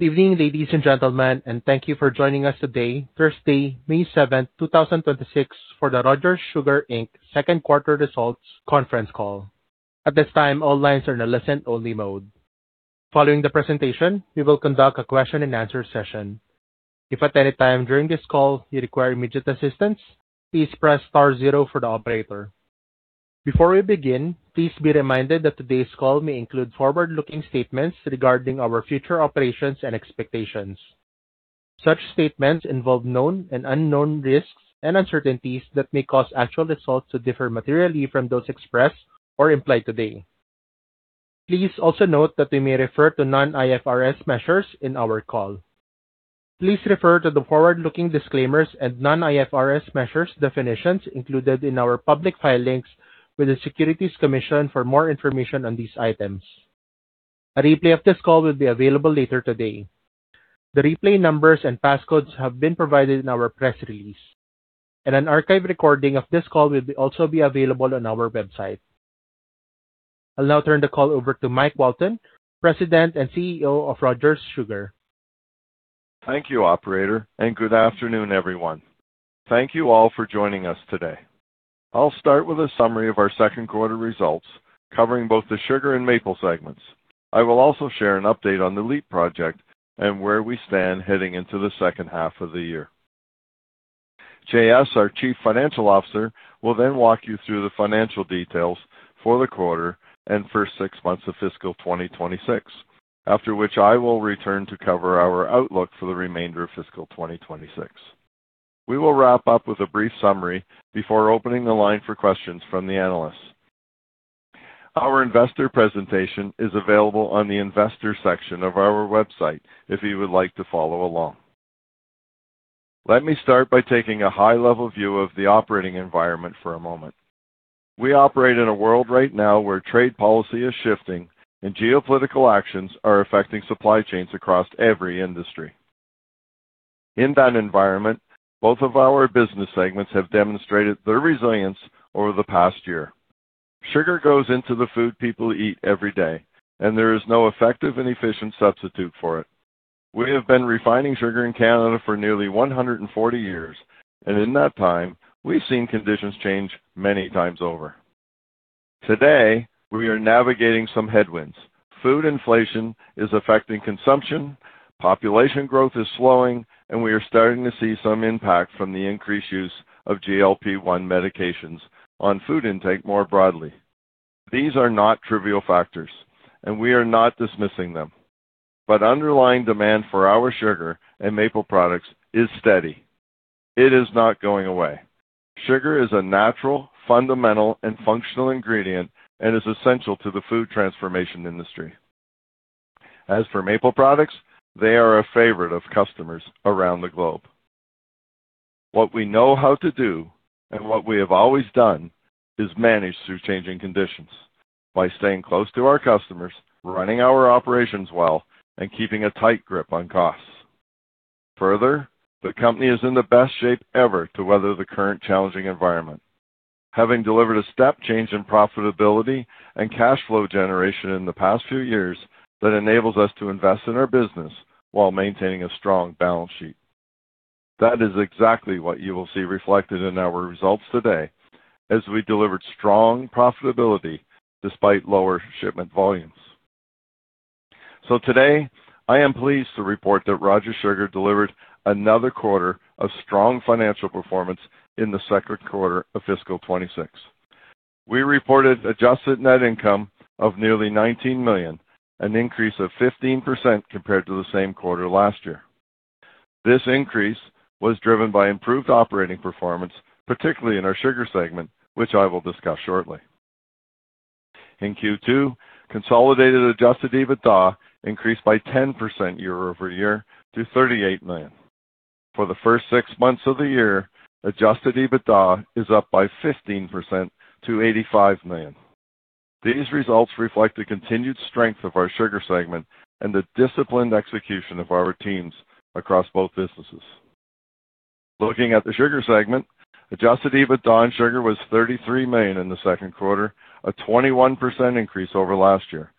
Good evening, ladies and gentlemen, and thank you for joining us today, Thursday, May 7, 2026 for the Rogers Sugar Inc. second quarter results conference call. At this time, all lines are in a listen only mode. Following the presentation, we will conduct a question and answer session. If at any time during this call you require immediate assistance, please press star zero for the operator. Before we begin, please be reminded that today's call may include forward-looking statements regarding our future operations and expectations. Such statements involve known and unknown risks and uncertainties that may cause actual results to differ materially from those expressed or implied today. Please also note that we may refer to non-IFRS measures in our call. Please refer to the forward-looking disclaimers and non-IFRS measures definitions included in our public filings with the Securities Commission for more information on these items. A replay of this call will be available later today. The replay numbers and passcodes have been provided in our press release, and an archive recording of this call will also be available on our website. I'll now turn the call over to Mike Walton, President and CEO of Rogers Sugar. Thank you, operator. Good afternoon, everyone. Thank you all for joining us today. I'll start with a summary of our second quarter results, covering both the sugar and maple segments. I will also share an update on the Lantic Expansion and Asset Program project and where we stand heading into the second half of the year. Jean-Sébastien Couillard, our Chief Financial Officer, will then walk you through the financial details for the quarter and first six months of fiscal 2026. After which I will return to cover our outlook for the remainder of fiscal 2026. We will wrap up with a brief summary before opening the line for questions from the analysts. Our investor presentation is available on the investor section of our website if you would like to follow along. Let me start by taking a high-level view of the operating environment for a moment. We operate in a world right now where trade policy is shifting and geopolitical actions are affecting supply chains across every industry. In that environment, both of our business segments have demonstrated their resilience over the past year. Sugar goes into the food people eat every day, and there is no effective and efficient substitute for it. We have been refining sugar in Canada for nearly 140 years, and in that time, we've seen conditions change many times over. Today, we are navigating some headwinds. Food inflation is affecting consumption, population growth is slowing, and we are starting to see some impact from the increased use of GLP-1 medications on food intake more broadly. These are not trivial factors, and we are not dismissing them. Underlying demand for our sugar and maple products is steady. It is not going away. Sugar is a natural, fundamental, and functional ingredient and is essential to the food transformation industry. As for maple products, they are a favorite of customers around the globe. What we know how to do and what we have always done, is manage through changing conditions by staying close to our customers, running our operations well, and keeping a tight grip on costs. Further, the company is in the best shape ever to weather the current challenging environment, having delivered a step change in profitability and cash flow generation in the past few years that enables us to invest in our business while maintaining a strong balance sheet. That is exactly what you will see reflected in our results today as we delivered strong profitability despite lower shipment volumes. Today, I am pleased to report that Rogers Sugar delivered another quarter of strong financial performance in the second quarter of fiscal 2026. We reported adjusted net income of nearly 19 million, an increase of 15% compared to the same quarter last year. This increase was driven by improved operating performance, particularly in our Sugar segment, which I will discuss shortly. In Q2, consolidated Adjusted EBITDA increased by 10% year-over-year to 38 million. For the first six months of the year, Adjusted EBITDA is up by 15% to 85 million. These results reflect the continued strength of our sugar segment and the disciplined execution of our teams across both businesses. Looking at the Sugar segment, Adjusted EBITDA on sugar was 33 million in the second quarter, a 21% increase over last year,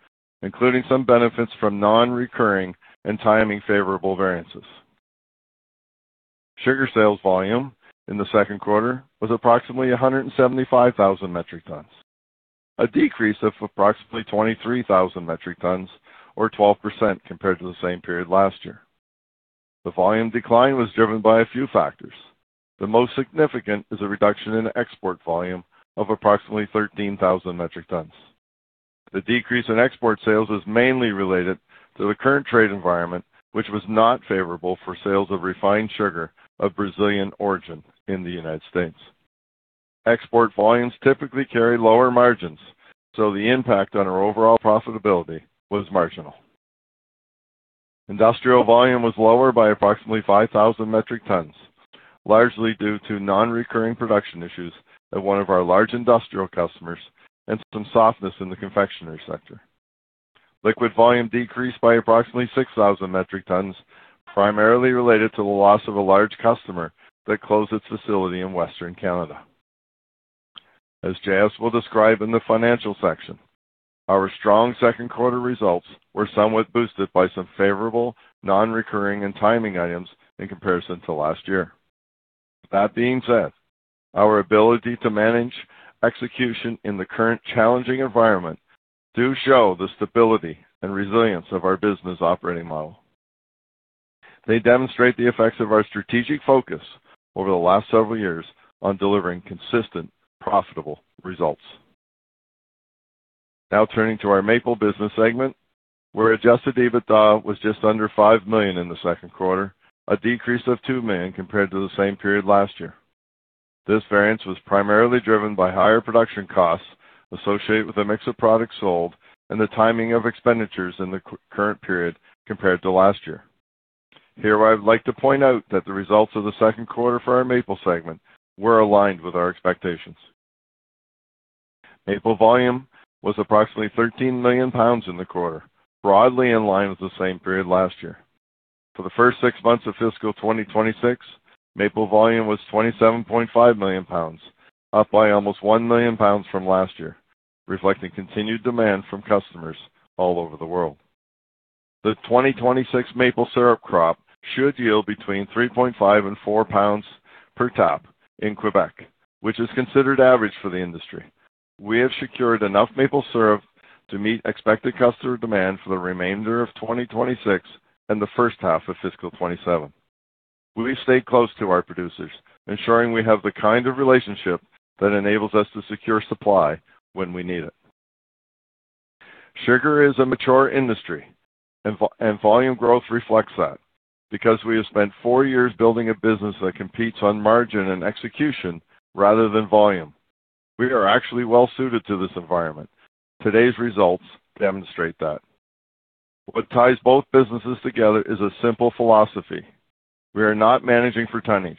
including some benefits from non-recurring and timing favorable variances. Sugar sales volume in the second quarter was approximately 175,000 metric tons, a decrease of approximately 23,000 metric tons or 12% compared to the same period last year. The volume decline was driven by a few factors. The most significant is a reduction in export volume of approximately 13,000 metric tons. The decrease in export sales is mainly related to the current trade environment, which was not favorable for sales of refined sugar of Brazilian origin in the United States. Export volumes typically carry lower margins, so the impact on our overall profitability was marginal. Industrial volume was lower by approximately 5,000 metric tons, largely due to non-recurring production issues at one of our large industrial customers and some softness in the confectionery sector. Liquid volume decreased by approximately 6,000 metric tons, primarily related to the loss of a large customer that closed its facility in Western Canada. As JS will describe in the financial section, our strong second quarter results were somewhat boosted by some favorable non-recurring and timing items in comparison to last year. That being said, our ability to manage execution in the current challenging environment do show the stability and resilience of our business operating model. They demonstrate the effects of our strategic focus over the last several years on delivering consistent, profitable results. Now turning to our Maple Business segment, where Adjusted EBITDA was just under 5 million in the second quarter, a decrease of 2 million compared to the same period last year. This variance was primarily driven by higher production costs associated with a mix of products sold and the timing of expenditures in the current period compared to last year. Here, I would like to point out that the results of the second quarter for our Maple segment were aligned with our expectations. Maple volume was approximately 13 million pounds in the quarter, broadly in line with the same period last year. For the first six months of fiscal 2026, maple volume was 27.5 million pounds, up by almost 1 million pounds from last year, reflecting continued demand from customers all over the world. The 2026 maple syrup crop should yield between 3.5 and 4 pounds per tap in Quebec, which is considered average for the industry. We have secured enough maple syrup to meet expected customer demand for the remainder of 2026 and the first half of fiscal 2027. We stay close to our producers, ensuring we have the kind of relationship that enables us to secure supply when we need it. Sugar is a mature industry, and volume growth reflects that. We have spent four years building a business that competes on margin and execution rather than volume, we are actually well-suited to this environment. Today's results demonstrate that. What ties both businesses together is a simple philosophy. We are not managing for tonnage.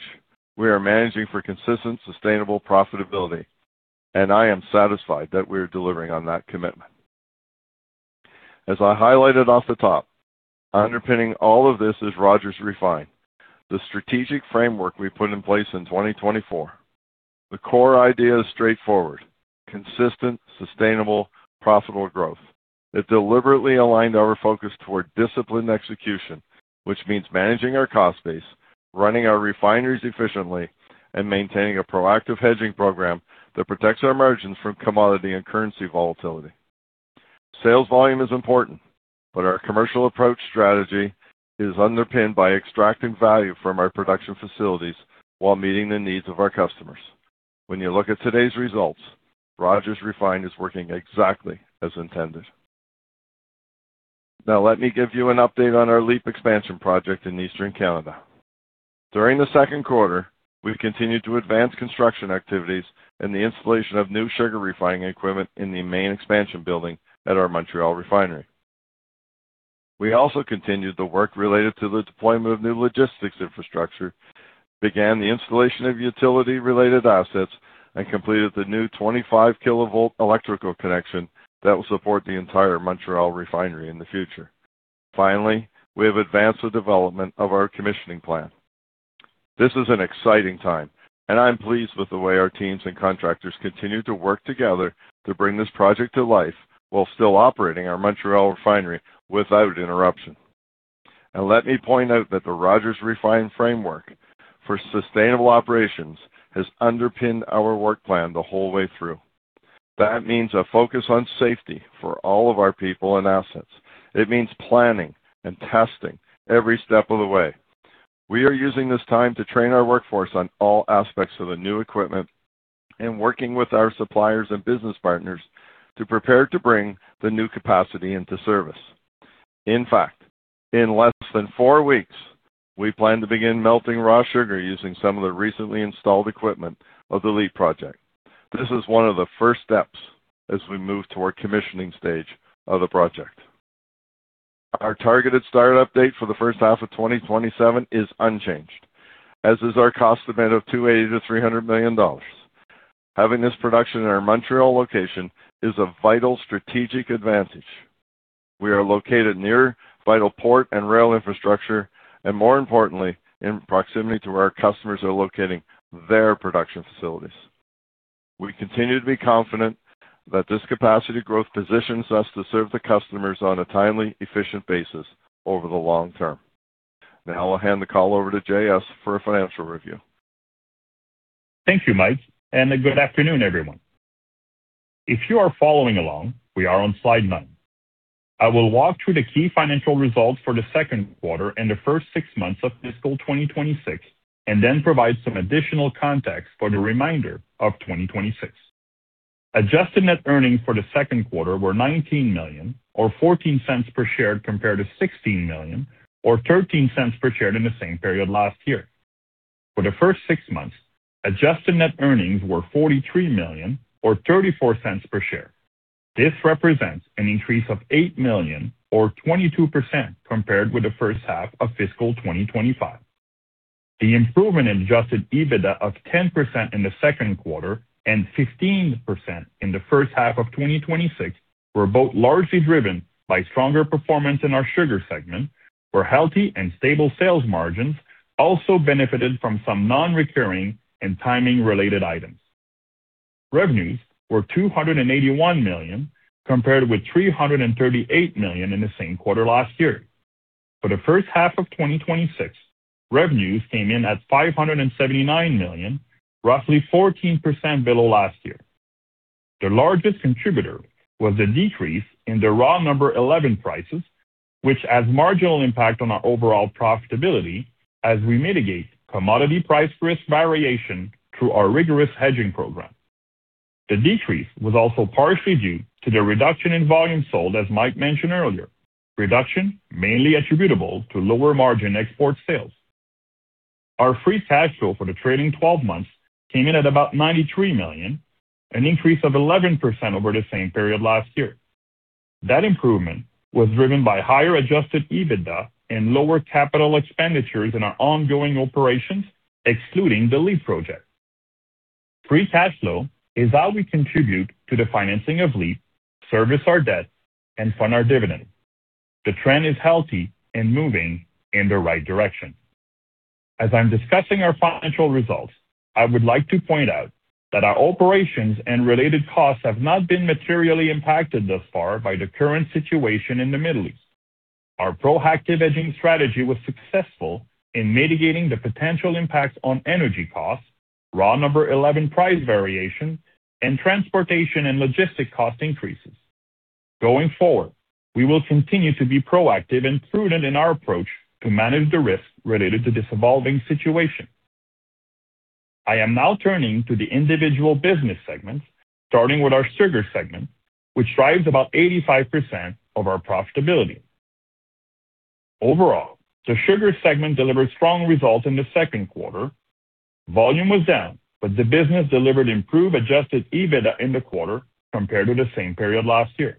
We are managing for consistent, sustainable profitability, and I am satisfied that we are delivering on that commitment. As I highlighted off the top, underpinning all of this is Rogers Refined, the strategic framework we put in place in 2024. The core idea is straightforward, consistent, sustainable, profitable growth. It deliberately aligned our focus toward disciplined execution, which means managing our cost base, running our refineries efficiently, and maintaining a proactive hedging program that protects our margins from commodity and currency volatility. Sales volume is important. Our commercial approach strategy is underpinned by extracting value from our production facilities while meeting the needs of our customers. When you look at today's results, Rogers Refined is working exactly as intended. Let me give you an update on our LEAP expansion project in Eastern Canada. During the second quarter, we've continued to advance construction activities and the installation of new sugar refining equipment in the main expansion building at our Montreal refinery. We also continued the work related to the deployment of new logistics infrastructure, began the installation of utility-related assets, and completed the new 25 kilovolt electrical connection that will support the entire Montreal refinery in the future. Finally, we have advanced the development of our commissioning plan. This is an exciting time, and I'm pleased with the way our teams and contractors continue to work together to bring this project to life while still operating our Montreal refinery without interruption. Let me point out that the Rogers Refined framework for sustainable operations has underpinned our work plan the whole way through. That means a focus on safety for all of our people and assets. It means planning and testing every step of the way. We are using this time to train our workforce on all aspects of the new equipment and working with our suppliers and business partners to prepare to bring the new capacity into service. In fact, in less than four weeks, we plan to begin melting raw sugar using some of the recently installed equipment of the LEAP project. This is one of the first steps as we move toward commissioning stage of the project. Our targeted start-up date for the first half of 2027 is unchanged, as is our cost estimate of 280 million-300 million dollars. Having this production in our Montreal location is a vital strategic advantage. We are located near vital port and rail infrastructure, and more importantly, in proximity to where our customers are locating their production facilities. We continue to be confident that this capacity growth positions us to serve the customers on a timely, efficient basis over the long term. Now I'll hand the call over to JS for a financial review. Thank you, Mike. Good afternoon, everyone. If you are following along, we are on slide nine. I will walk through the key financial results for the second quarter and the first six months of fiscal 2026, and then provide some additional context for the remainder of 2026. Adjusted net earnings for the second quarter were 19 million or 0.14 per share compared to 16 million or 0.13 per share in the same period last year. For the first six months, adjusted net earnings were 43 million or 0.34 per share. This represents an increase of 8 million or 22% compared with the first half of fiscal 2025. The improvement in Adjusted EBITDA of 10% in the second quarter and 15% in the first half of 2026 were both largely driven by stronger performance in our sugar segment, where healthy and stable sales margins also benefited from some non-recurring and timing-related items. Revenues were CAD 281 million, compared with CAD 338 million in the same quarter last year. For the first half of 2026, revenues came in at 579 million, roughly 14% below last year. The largest contributor was the decrease in the Raw #11 prices, which has marginal impact on our overall profitability as we mitigate commodity price risk variation through our rigorous hedging program. The decrease was also partially due to the reduction in volume sold, as Mike mentioned earlier. Reduction mainly attributable to lower margin export sales. Our free cash flow for the trailing 12 months came in at about 93 million, an increase of 11% over the same period last year. That improvement was driven by higher Adjusted EBITDA and lower capital expenditures in our ongoing operations, excluding the LEAP project. Free cash flow is how we contribute to the financing of LEAP, service our debt, and fund our dividend. The trend is healthy and moving in the right direction. As I'm discussing our financial results, I would like to point out that our operations and related costs have not been materially impacted thus far by the current situation in the Middle East. Our proactive hedging strategy was successful in mitigating the potential impacts on energy costs, Raw #11 price variation, and transportation and logistic cost increases. Going forward, we will continue to be proactive and prudent in our approach to manage the risk related to this evolving situation. I am now turning to the individual business segments, starting with our Sugar segment, which drives about 85% of our profitability. Overall, the Sugar segment delivered strong results in the second quarter. Volume was down, but the business delivered improved Adjusted EBITDA in the quarter compared to the same period last year.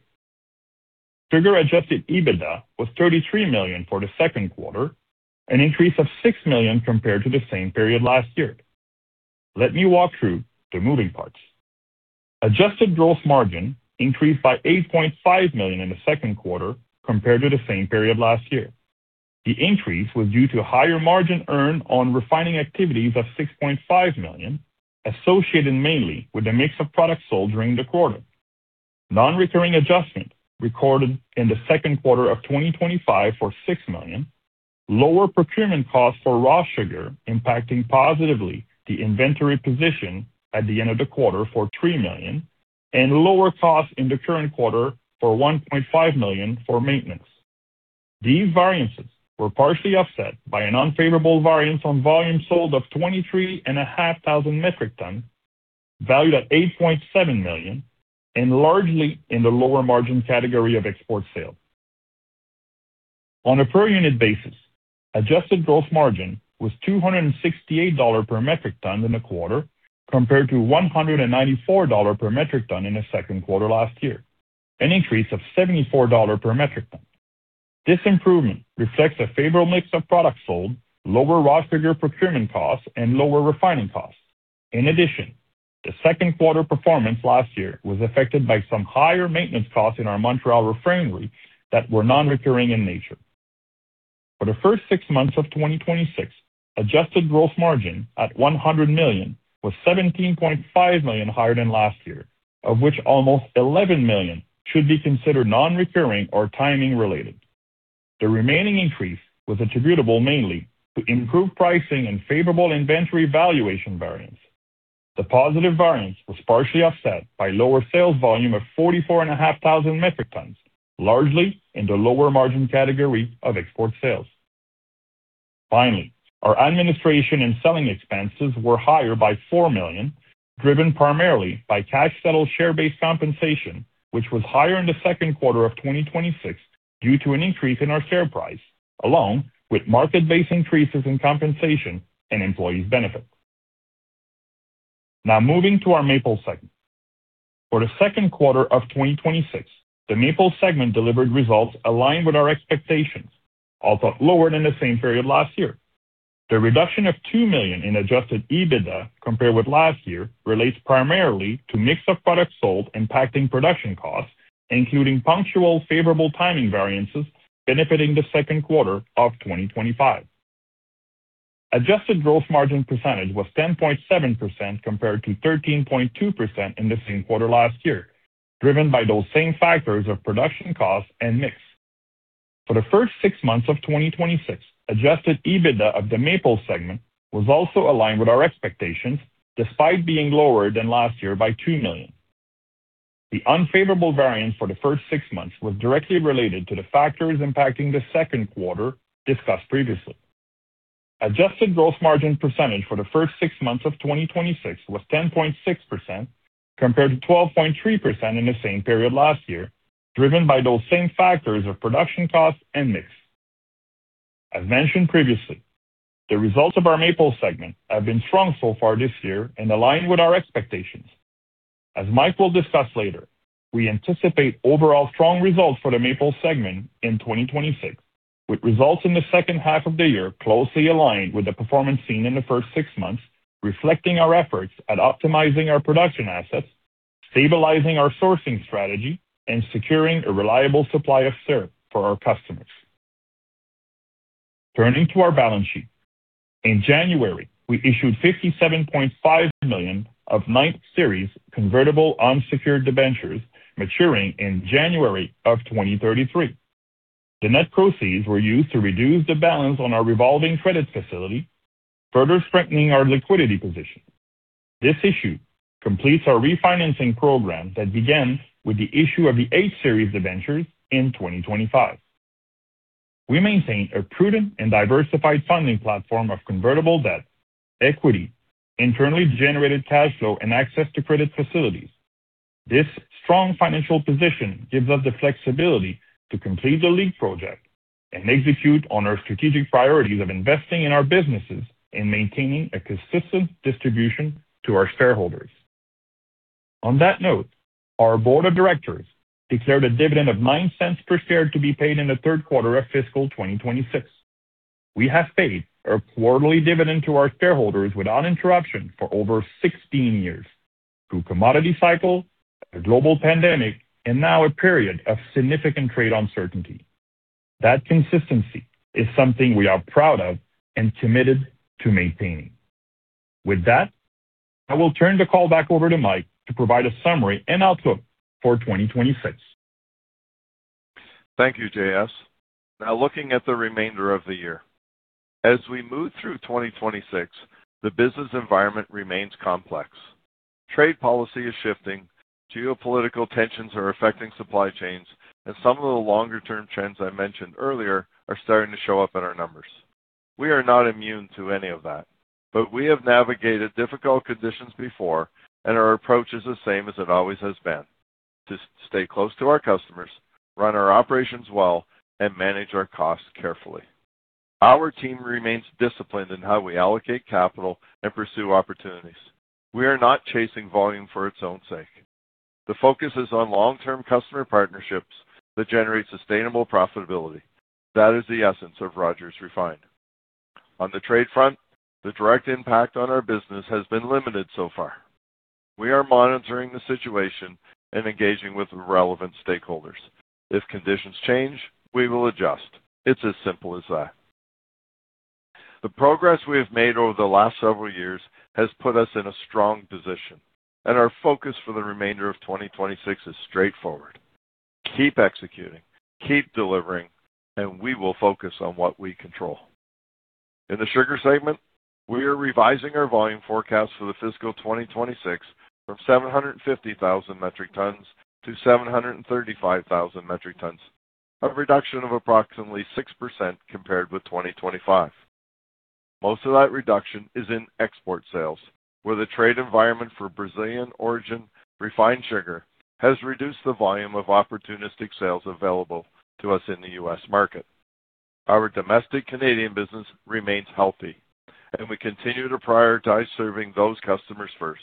Sugar-Adjusted EBITDA was 33 million for the second quarter, an increase of 6 million compared to the same period last year. Let me walk through the moving parts. Adjusted gross margin increased by 8.5 million in the second quarter compared to the same period last year. The increase was due to higher margin earned on refining activities of 6.5 million, associated mainly with the mix of products sold during the quarter. Non-recurring adjustment recorded in the 2Q 2025 for 6 million, lower procurement costs for raw sugar impacting positively the inventory position at the end of the quarter for 3 million, and lower costs in the current quarter for 1.5 million for maintenance. These variances were partially offset by an unfavorable variance on volume sold of 23,500 metric tons, valued at 8.7 million, and largely in the lower margin category of export sales. On a per unit basis, adjusted gross margin was 268 dollar per metric ton in the quarter, compared to 194 dollar per metric ton in the 2Q last year, an increase of 74 dollar per metric ton. This improvement reflects a favorable mix of products sold, lower raw sugar procurement costs, and lower refining costs. In addition, the 2nd quarter performance last year was affected by some higher maintenance costs in our Montreal refinery that were non-recurring in nature. For the 1st six months of 2026, adjusted gross margin at 100 million was 17.5 million higher than last year, of which almost 11 million should be considered non-recurring or timing related. The remaining increase was attributable mainly to improved pricing and favorable inventory valuation variance. The positive variance was partially offset by lower sales volume of 44,500 metric tons, largely in the lower margin category of export sales. Finally, our administration and selling expenses were higher by 4 million, driven primarily by cash settled share-based compensation, which was higher in the 2nd quarter of 2026 due to an increase in our share price, along with market-based increases in compensation and employees benefits. Now moving to our Maple segment. For the second quarter of 2026, the Maple segment delivered results aligned with our expectations, although lower than the same period last year. The reduction of 2 million in Adjusted EBITDA compared with last year relates primarily to mix of products sold impacting production costs, including punctual favorable timing variances benefiting the second quarter of 2025. Adjusted gross margin percentage was 10.7% compared to 13.2% in the same quarter last year, driven by those same factors of production costs and mix. For the first six months of 2026, Adjusted EBITDA of the Maple segment was also aligned with our expectations, despite being lower than last year by 2 million. The unfavorable variance for the first six months was directly related to the factors impacting the second quarter discussed previously. Adjusted gross margin percentage for the first six months of 2026 was 10.6% compared to 12.3% in the same period last year, driven by those same factors of production costs and mix. As mentioned previously, the results of our Maple segment have been strong so far this year and aligned with our expectations. As Mike will discuss later, we anticipate overall strong results for the Maple segment in 2026, with results in the second half of the year closely aligned with the performance seen in the first six months, reflecting our efforts at optimizing our production assets, stabilizing our sourcing strategy, and securing a reliable supply of syrup for our customers. Turning to our balance sheet. In January, we issued 57.5 million of Ninth Series convertible unsecured debentures maturing in January of 2033. The net proceeds were used to reduce the balance on our revolving credit facility, further strengthening our liquidity position. This issue completes our refinancing program that began with the issue of the Eighth Series debentures in 2025. We maintain a prudent and diversified funding platform of convertible debt, equity, internally generated cash flow, and access to credit facilities. This strong financial position gives us the flexibility to complete the LEAP project and execute on our strategic priorities of investing in our businesses and maintaining a consistent distribution to our shareholders. On that note, our board of directors declared a dividend of 0.09 per share to be paid in the third quarter of fiscal 2026. We have paid a quarterly dividend to our shareholders without interruption for over 16 years through commodity cycle, a global pandemic, and now a period of significant trade uncertainty. That consistency is something we are proud of and committed to maintaining. With that, I will turn the call back over to Mike to provide a summary and outlook for 2026. Thank you, JS. Looking at the remainder of the year. As we move through 2026, the business environment remains complex. Trade policy is shifting, geopolitical tensions are affecting supply chains, and some of the longer-term trends I mentioned earlier are starting to show up in our numbers. We are not immune to any of that, but we have navigated difficult conditions before and our approach is the same as it always has been: to stay close to our customers, run our operations well, and manage our costs carefully. Our team remains disciplined in how we allocate capital and pursue opportunities. We are not chasing volume for its own sake. The focus is on long-term customer partnerships that generate sustainable profitability. That is the essence of Rogers Refined. On the trade front, the direct impact on our business has been limited so far. We are monitoring the situation and engaging with relevant stakeholders. If conditions change, we will adjust. It's as simple as that. The progress we have made over the last several years has put us in a strong position, and our focus for the remainder of 2026 is straightforward. Keep executing, keep delivering, and we will focus on what we control. In the sugar segment, we are revising our volume forecast for the fiscal 2026 from 750,000 metric tons to 735,000 metric tons, a reduction of approximately 6% compared with 2025. Most of that reduction is in export sales, where the trade environment for Brazilian origin refined sugar has reduced the volume of opportunistic sales available to us in the U.S. market. Our domestic Canadian business remains healthy, and we continue to prioritize serving those customers first.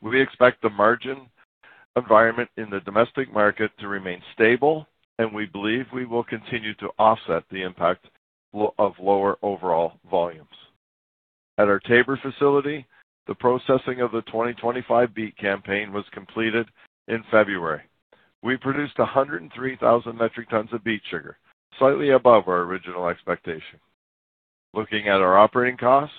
We expect the margin environment in the domestic market to remain stable, and we believe we will continue to offset the impact of lower overall volumes. At our Taber facility, the processing of the 2025 beet campaign was completed in February. We produced 103,000 metric tons of beet sugar, slightly above our original expectation. Looking at our operating costs,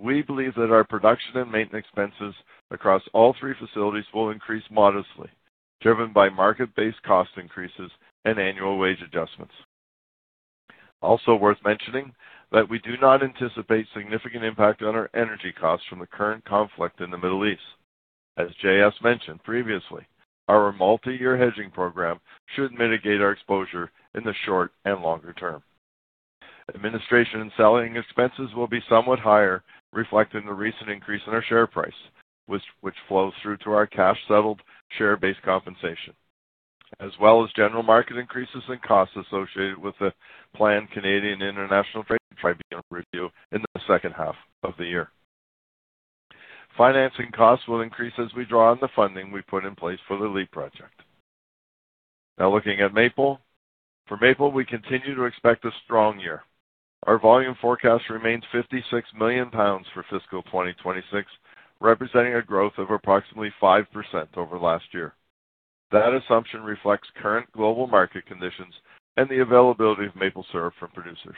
we believe that our production and maintenance expenses across all three facilities will increase modestly, driven by market-based cost increases and annual wage adjustments. Also worth mentioning that we do not anticipate significant impact on our energy costs from the current conflict in the Middle East. As JS mentioned previously, our multi-year hedging program should mitigate our exposure in the short and longer term. Administration and selling expenses will be somewhat higher, reflecting the recent increase in our share price, which flows through to our cash settled share-based compensation, as well as general market increases in costs associated with the planned Canadian International Trade Tribunal review in the second half of the year. Financing costs will increase as we draw on the funding we put in place for the LEAP project. Looking at maple. For maple, we continue to expect a strong year. Our volume forecast remains 56 million pounds for fiscal 2026, representing a growth of approximately 5% over last year. That assumption reflects current global market conditions and the availability of maple syrup from producers.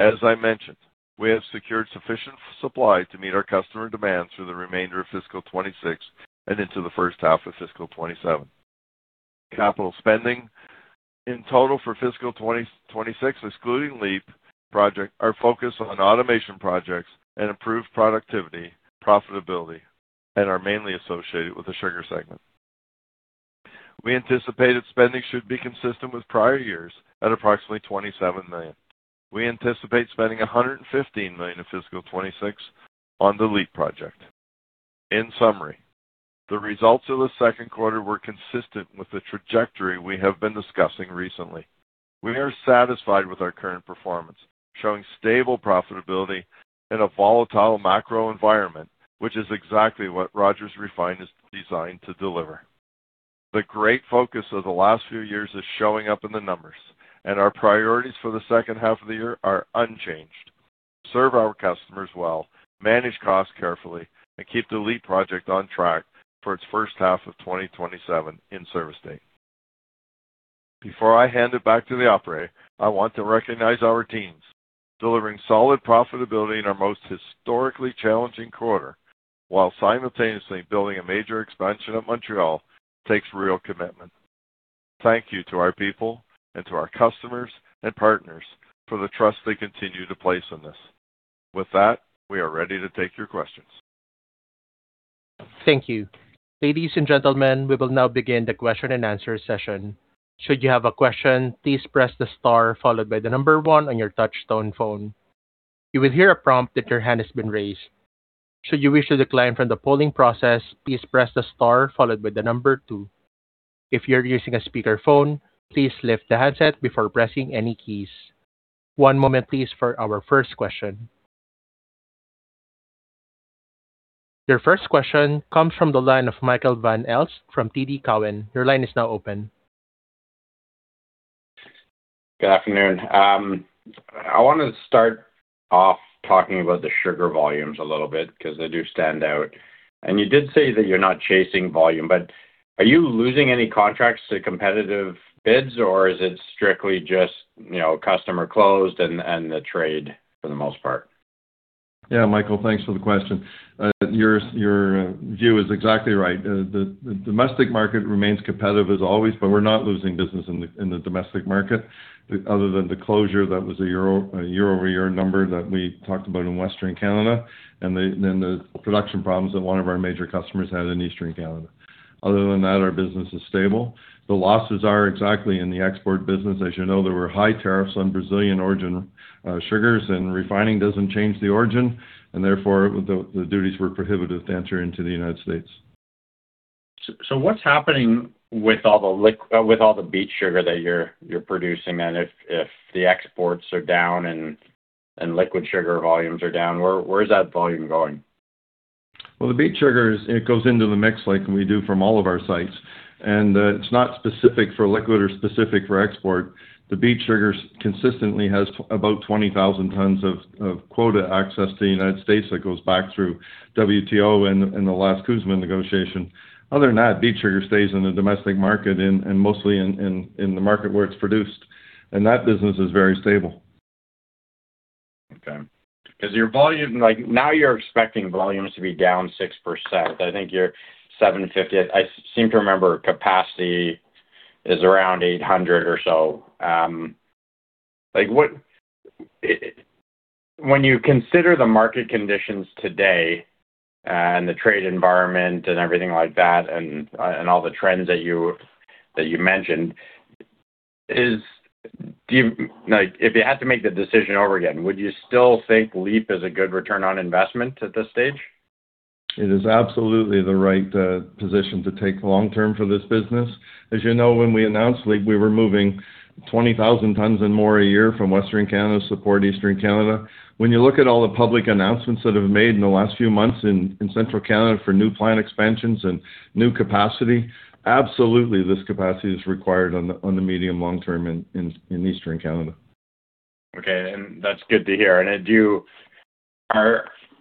As I mentioned, we have secured sufficient supply to meet our customer demands for the remainder of fiscal 2026 and into the first half of fiscal 2027. Capital spending in total for fiscal 2026, excluding LEAP project, are focused on automation projects and improved productivity, profitability, and are mainly associated with the sugar segment. We anticipated spending should be consistent with prior years at approximately 27 million. We anticipate spending 115 million in fiscal 2026 on the LEAP project. In summary, the results of the second quarter were consistent with the trajectory we have been discussing recently. We are satisfied with our current performance, showing stable profitability in a volatile macro environment, which is exactly what Rogers Refined is designed to deliver. The great focus of the last few years is showing up in the numbers, and our priorities for the second half of the year are unchanged. Serve our customers well, manage costs carefully, and keep the LEAP project on track for its first half of 2027 in-service date. Before I hand it back to the operator, I want to recognize our teams. Delivering solid profitability in our most historically challenging quarter while simultaneously building a major expansion of Montreal takes real commitment. Thank you to our people and to our customers and partners for the trust they continue to place in us. With that, we are ready to take your questions. Thank you. Ladies and gentlemen, we will now begin the question and answer session. Should you have a question, please press the star followed by the number one on your touch tone phone. You will hear a prompt that your hand has been raised. Should you wish to decline from the polling process, please press the star followed by the number two. If you're using a speakerphone, please lift the handset before pressing any keys. One moment please for our first question. Your first question comes from the line of Michael Van Aelst from TD Cowen. Your line is now open. Good afternoon. I wanna start off talking about the sugar volumes a little bit 'cause they do stand out. You did say that you're not chasing volume, but are you losing any contracts to competitive bids? Is it strictly just, you know, customer closed and the trade for the most part? Yeah, Michael, thanks for the question. Your view is exactly right. The domestic market remains competitive as always, we're not losing business in the domestic market other than the closure that was a year-over-year number that we talked about in Western Canada, the production problems that one of our major customers had in Eastern Canada. Other than that, our business is stable. The losses are exactly in the export business. As you know, there were high tariffs on Brazilian origin sugars, refining doesn't change the origin, the duties were prohibitive to enter into the United States. What's happening with all the beet sugar that you're producing? If the exports are down and liquid sugar volumes are down, where is that volume going? Well, the beet sugar goes into the mix like we do from all of our sites. It's not specific for liquid or specific for export. The beet sugar consistently has about 20,000 tons of quota access to the U.S. that goes back through World Trade Organization and the last Canada-United States-Mexico Agreement negotiation. Other than that, beet sugar stays in the domestic market and mostly in the market where it's produced. That business is very stable. Okay. 'Cause your volume like now you're expecting volumes to be down 6%. I think your 750,000, I seem to remember capacity is around 800,000 or so. Like, when you consider the market conditions today and the trade environment and everything like that and all the trends that you, that you mentioned. Like, if you had to make the decision over again, would you still think LEAP is a good return on investment at this stage? It is absolutely the right position to take long term for this business. As you know, when we announced LEAP, we were moving 20,000 tons and more a year from Western Canada to support Eastern Canada. When you look at all the public announcements that have made in the last few months in Central Canada for new plant expansions and new capacity, absolutely this capacity is required on the medium long term in Eastern Canada. Okay. That's good to hear.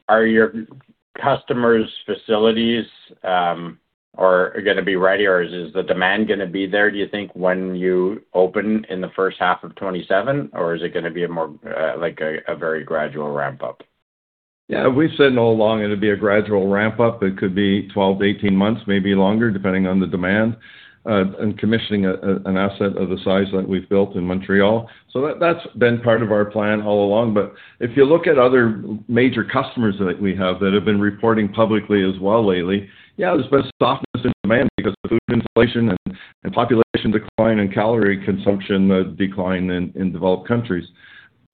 Are your customers' facilities gonna be ready or is the demand gonna be there, do you think, when you open in the first half of 2027? Is it gonna be a more like a very gradual ramp-up? Yeah. We've said all along it'd be a gradual ramp-up. It could be 12 to 18 months, maybe longer, depending on the demand and commissioning an asset of the size that we've built in Montreal. That's been part of our plan all along. If you look at other major customers that we have that have been reporting publicly as well lately, yeah, there's been softness in demand because of food inflation and population decline and calorie consumption decline in developed countries.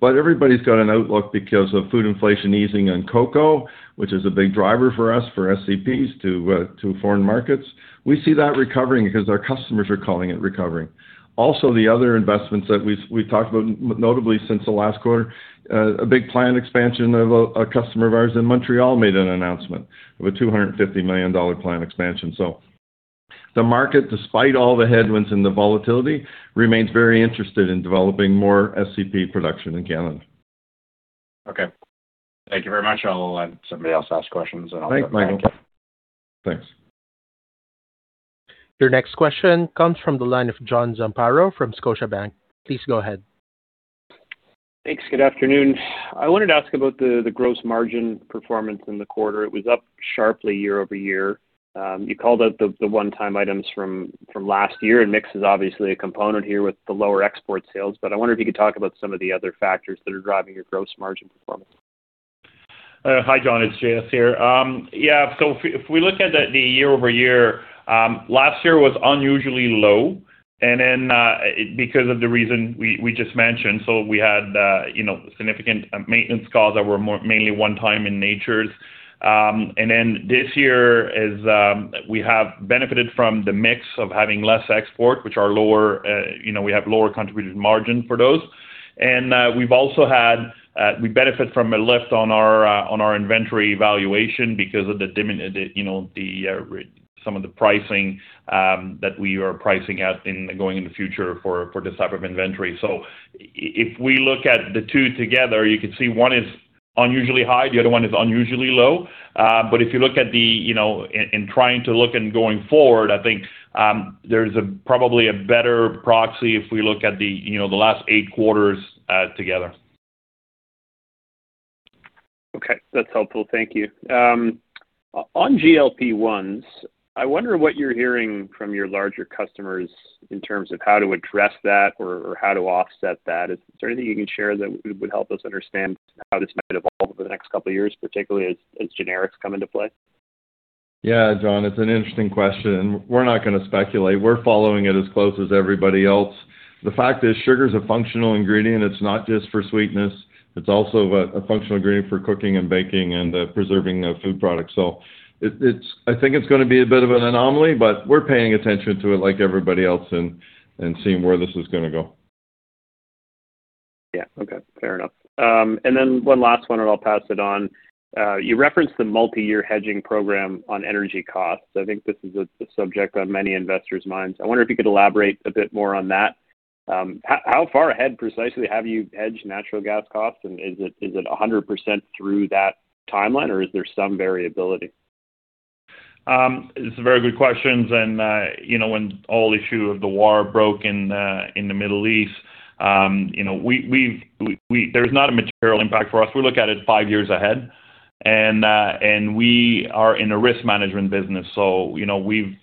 Everybody's got an outlook because of food inflation easing on cocoa, which is a big driver for us for Sugar-Containing Products to foreign markets. We see that recovering because our customers are calling it recovering. Also, the other investments that we've talked about, notably since the last quarter, a big plant expansion of a customer of ours in Montreal made an announcement of a 250 million dollar plant expansion. The market, despite all the headwinds and the volatility, remains very interested in developing more SCP production in Canada. Okay. Thank you very much. I'll let somebody else ask questions, and I'll be back. Thanks, Michael. Thanks. Your next question comes from the line of John Zamparo from Scotiabank. Please go ahead. Thanks. Good afternoon. I wanted to ask about the gross margin performance in the quarter. It was up sharply year-over-year. You called out the one-time items from last year, mix is obviously a component here with the lower export sales. I wonder if you could talk about some of the other factors that are driving your gross margin performance. Hi, John. It's JS here. If we look at the year-over-year, last year was unusually low, then because of the reason we just mentioned. We had, you know, significant maintenance costs that were more mainly one time in nature. This year is, we have benefited from the mix of having less export, which are lower, you know, we have lower contributed margin for those. We've also had, we benefit from a lift on our on our inventory valuation because of the pricing that we are pricing at in going in the future for this type of inventory. If we look at the two together, you could see one is Unusually high, the other one is unusually low. If you look at the, you know, in trying to look and going forward, I think, there's a probably a better proxy if we look at the, you know, the last eight quarters, together. Okay. That's helpful. Thank you. On GLP-1, I wonder what you're hearing from your larger customers in terms of how to address that or how to offset that. Is there anything you can share that would help us understand how this might evolve over the next couple of years, particularly as generics come into play? Yeah, John, it's an interesting question. We're not gonna speculate. We're following it as close as everybody else. The fact is sugar is a functional ingredient. It's not just for sweetness, it's also a functional ingredient for cooking and baking and preserving food products. I think it's gonna be a bit of an anomaly, but we're paying attention to it like everybody else and seeing where this is gonna go. Yeah. Okay. Fair enough. Then one last one and I'll pass it on. You referenced the multi-year hedging program on energy costs. I think this is a subject on many investors' minds. I wonder if you could elaborate a bit more on that. How far ahead precisely have you hedged natural gas costs? Is it 100% through that timeline, or is there some variability? It's a very good question. You know, when the issue of the war broke in the Middle East, you know, there's not a material impact for us. We look at it five years ahead. We are in a risk management business. You know, we've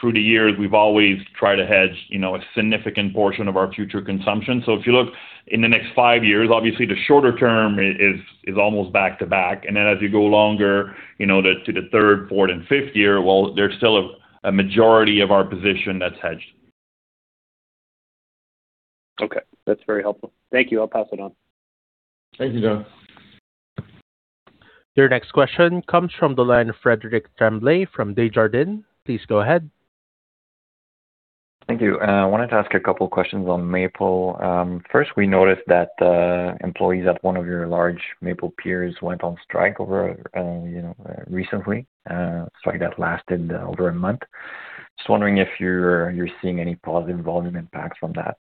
through the years, we've always tried to hedge, you know, a significant portion of our future consumption. If you look in the next five years, obviously the shorter term is almost back to back. As you go longer, you know, to the third, fourth, and fifth year, well, there's still a majority of our position that's hedged. Okay. That's very helpful. Thank you. I'll pass it on. Thank you, John. Your next question comes from the line of Frédéric Tremblay from Desjardins Capital Markets. Please go ahead. Thank you. I wanted to ask a couple questions on Maple. First, we noticed that employees at one of your large Maple peers went on strike over, you know, recently, a strike that lasted over a month. Just wondering if you're seeing any positive volume impacts from that?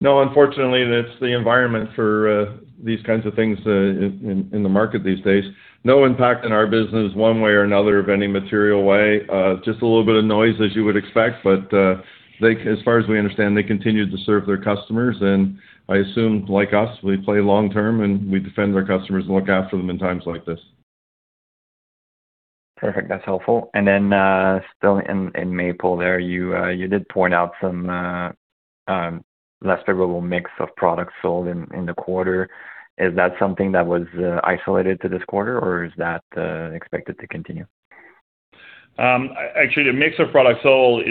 No, unfortunately, that's the environment for these kinds of things in, in the market these days. No impact in our business one way or another of any material way. Just a little bit of noise as you would expect. As far as we understand, they continue to serve their customers. I assume like us, we play long-term and we defend our customers and look after them in times like this. Perfect. That's helpful. Still in Maple there, you did point out some less favorable mix of products sold in the quarter. Is that something that was isolated to this quarter, or is that expected to continue? Actually the mix of products sold,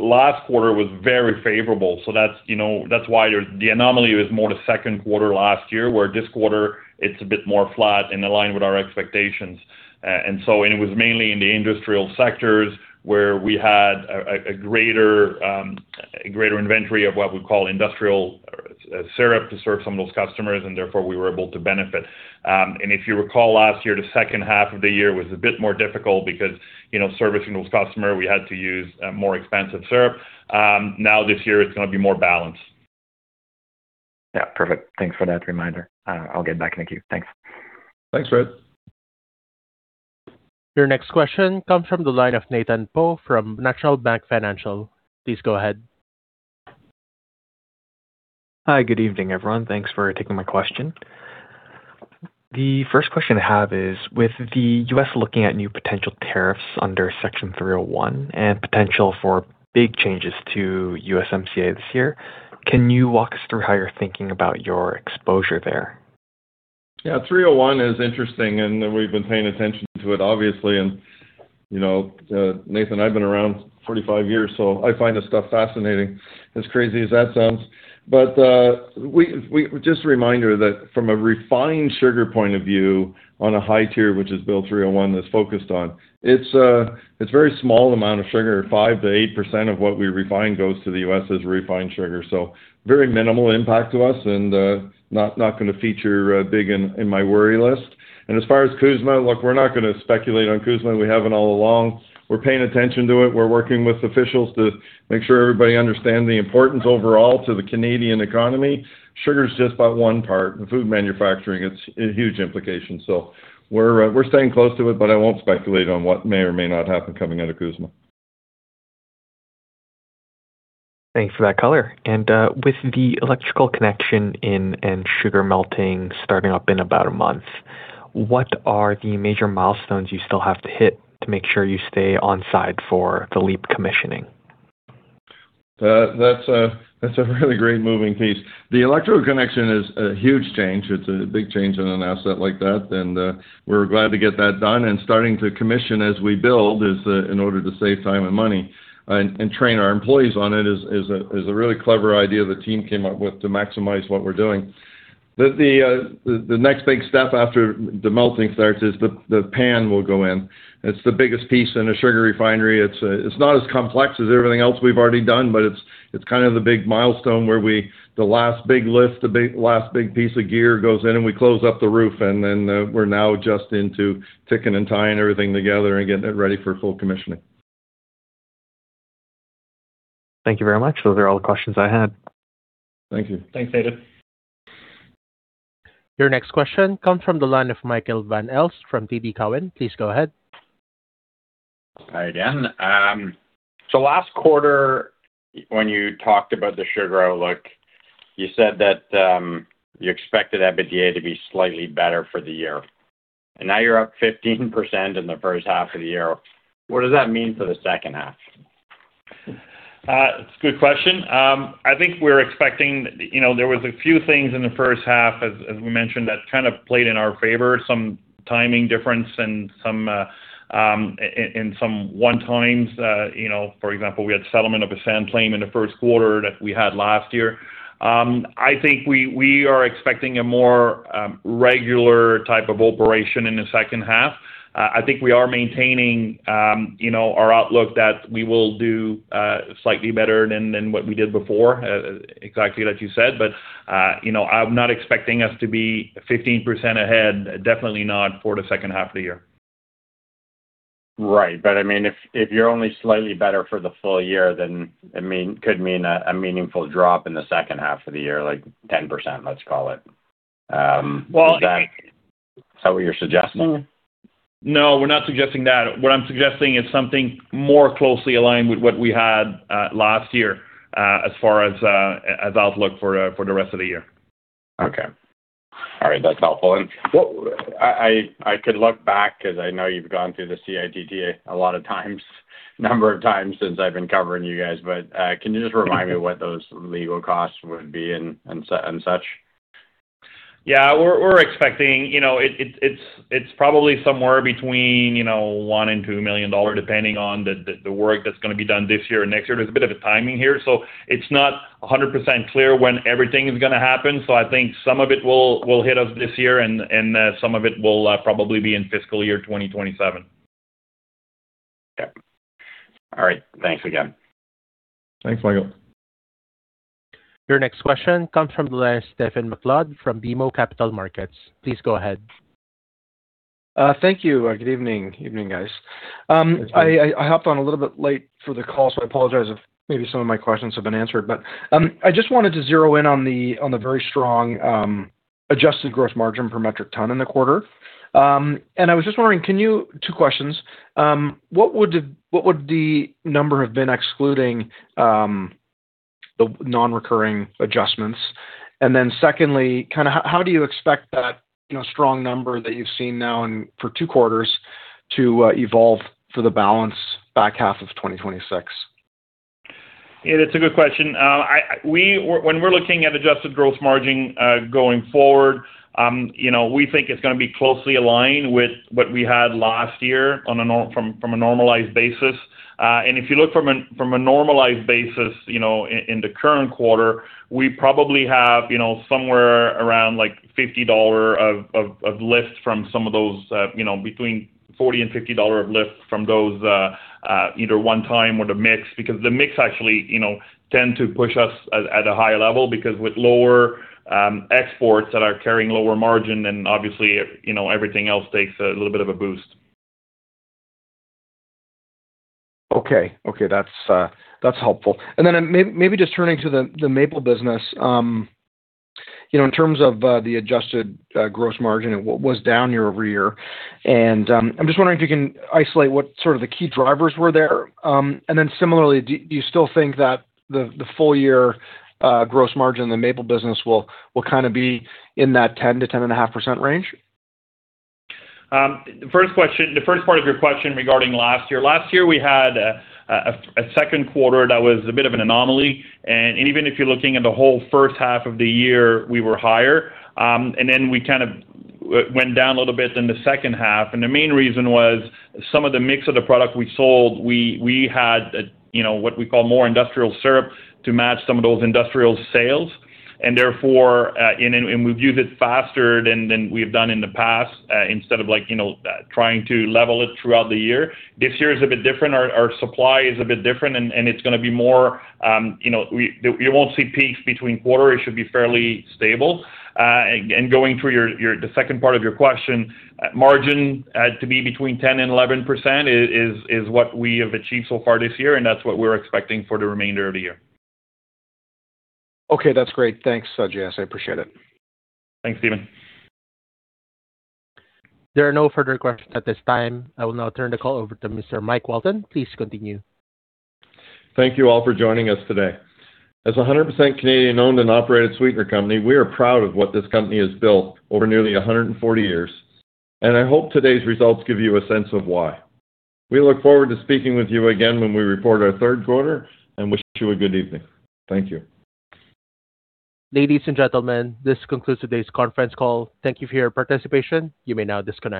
last quarter was very favorable. You know, that's why the anomaly was more the second quarter last year, where this quarter it's a bit more flat and aligned with our expectations. It was mainly in the industrial sectors where we had a greater inventory of what we call industrial syrup to serve some of those customers, and therefore we were able to benefit. Last year, the second half of the year was a bit more difficult because, you know, servicing those customer, we had to use more expensive syrup. It's gonna be more balanced. Yeah. Perfect. Thanks for that reminder. I'll get back. Thank you. Thanks. Thanks, Fréd. Your next question comes from the line of Nathan Poole from National Bank Financial. Please go ahead. Hi. Good evening, everyone. Thanks for taking my question. The first question I have is, with the U.S. looking at new potential tariffs under Section 301 and potential for big changes to USMCA this year, can you walk us through how you're thinking about your exposure there? Yeah, 301 is interesting, we've been paying attention to it, obviously. You know, Nathan, I've been around 45 years, so I find this stuff fascinating, as crazy as that sounds. Just a reminder that from a refined sugar point of view on a high tier, which is Section 301 that's focused on, it's a very small amount of sugar. 5%-8% of what we refine goes to the U.S. as refined sugar. Very minimal impact to us and not gonna feature big in my worry list. As far as CUSMA, look, we're not gonna speculate on CUSMA. We haven't all along. We're paying attention to it. We're working with officials to make sure everybody understand the importance overall to the Canadian economy. Sugar is just about one part. In food manufacturing it's a huge implication. We're staying close to it, but I won't speculate on what may or may not happen coming out of CUSMA. Thanks for that color. With the electrical connection in and sugar melting starting up in about a month, what are the major milestones you still have to hit to make sure you stay on side for the LEAP commissioning? That's a really great moving piece. The electrical connection is a huge change. It's a big change in an asset like that. We're glad to get that done. Starting to commission as we build is in order to save time and money and train our employees on it is a really clever idea the team came up with to maximize what we're doing. The next big step after the melting starts is the pan will go in. It's the biggest piece in a sugar refinery. It's, it's not as complex as everything else we've already done, but it's kind of the big milestone where the last big lift, the last big piece of gear goes in and we close up the roof and then, we're now just into ticking and tying everything together and getting it ready for full commissioning. Thank you very much. Those are all the questions I had. Thank you. Thanks, Nathan. Your next question comes from the line of Michael Van Aelst from TD Cowen. Please go ahead. Hi again. Last quarter when you talked about the sugar outlook, you said that, you expected EBITDA to be slightly better for the year, and now you're up 15% in the first half of the year. What does that mean for the second half? It's a good question. I think we're expecting, you know, there was a few things in the first half, as we mentioned, that kind of played in our favor, some timing difference and some one-times. You know, for example, we had settlement of a sand claim in the first quarter that we had last year. I think we are expecting a more regular type of operation in the second half. I think we are maintaining, you know, our outlook that we will do slightly better than what we did before, exactly like you said. You know, I'm not expecting us to be 15% ahead, definitely not for the second half of the year. Right. I mean, if you're only slightly better for the full year, then it could mean a meaningful drop in the second half of the year, like 10%, let's call it. Is that? Well. Is that what you're suggesting? No, we're not suggesting that. What I'm suggesting is something more closely aligned with what we had last year, as far as as outlook for the rest of the year. Okay. All right. That's helpful. I could look back, 'cause I know you've gone through the Canadian International Trade Tribunal a lot of times, number of times since I've been covering you guys. Can you just remind me what those legal costs would be and such? Yeah. We're expecting You know, it's probably somewhere between, you know, 1 million and 2 million dollar, depending on the work that's gonna be done this year and next year. There's a bit of a timing here, so it's not 100% clear when everything is gonna happen. I think some of it will hit us this year and some of it will probably be in fiscal year 2027. Yeah. All right. Thanks again. Thanks, Michael. Your next question comes from the line Stephen MacLeod from BMO Capital Markets. Please go ahead. Thank you. Good evening, guys. I hopped on a little bit late for the call, so I apologize if maybe some of my questions have been answered. I just wanted to zero in on the very strong adjusted gross margin per metric ton in the quarter. I was just wondering, can you. Two questions. What would the number have been excluding the non-recurring adjustments? Secondly, kinda how do you expect that, you know, strong number that you've seen now and for two quarters to evolve for the balance back half of 2026? Yeah, that's a good question. When we're looking at adjusted gross margin, going forward, you know, we think it's gonna be closely aligned with what we had last year on a normalized basis. And if you look from a normalized basis, you know, in the current quarter, we probably have, you know, somewhere around like 50 dollar of lift from some of those, you know, between 40 and 50 dollar of lift from those, either one-time or the mix. Because the mix actually, you know, tend to push us at a higher level because with lower exports that are carrying lower margin and obviously, you know, everything else takes a little bit of a boost. Okay. Okay, that's helpful. Then just turning to the maple business, you know, in terms of the adjusted gross margin and what was down year over year, I'm just wondering if you can isolate what sort of the key drivers were there. Then similarly, do you still think that the full year gross margin in the maple business will kind of be in that 10%-10.5% range? First question, the first part of your question regarding last year. Last year, we had a second quarter that was a bit of an anomaly. Even if you're looking at the whole first half of the year, we were higher. We kind of went down a little bit in the second half, and the main reason was some of the mix of the product we sold, we had, you know, what we call more industrial syrup to match some of those industrial sales. Therefore, and we've used it faster than we've done in the past, instead of like, you know, trying to level it throughout the year. This year is a bit different. Our supply is a bit different, and it's gonna be more, you know, you won't see peaks between quarter. It should be fairly stable. Going through your, the second part of your question, margin, to be between 10% and 11% is what we have achieved so far this year, and that's what we're expecting for the remainder of the year. Okay, that's great. Thanks, JS. I appreciate it. Thanks, Stephen. There are no further questions at this time. I will now turn the call over to Mr. Mike Walton. Please continue. Thank you all for joining us today. As a 100% Canadian owned and operated sweetener company, we are proud of what this company has built over nearly 140 years, and I hope today's results give you a sense of why. We look forward to speaking with you again when we report our third quarter and wish you a good evening. Thank you. Ladies and gentlemen, this concludes today's conference call. Thank you for your participation. You may now disconnect.